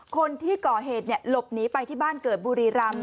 คนที่ก่อเหตุหลบหนีไปที่บ้านเกิดบุรีรำ